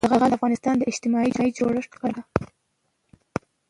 زغال د افغانستان د اجتماعي جوړښت برخه ده.